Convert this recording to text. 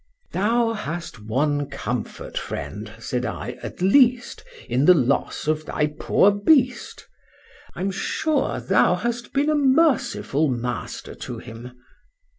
Thou hast one comfort, friend, said I, at least, in the loss of thy poor beast; I'm sure thou hast been a merciful master to him.